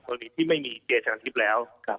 คนที่ไม่มีเจสการทริปแล้ว